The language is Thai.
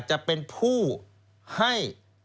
จะเป็นผู้ให้